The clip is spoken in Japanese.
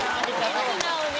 素直に。